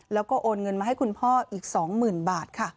แล้วก็โอนเงินมาให้คุณพ่ออีก๒๐๐๐บาทค่ะ